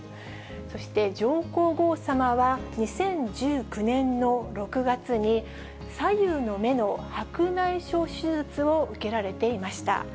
そして上皇后さまは、２０１９年の６月に、左右の目の白内障手術を受けられていました。